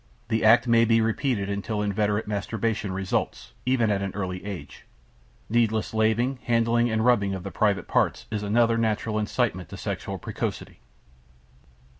The act may be repeated until inveterate masturbation results, even at an early age. Needless laving, handling and rubbing of the private parts is another natural incitement to sexual precocity.